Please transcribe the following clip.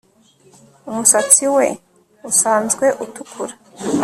Umusatsi we usanzwe utukura